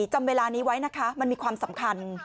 จำเวลานี้ไว้นะคะมันมีความสำคัญ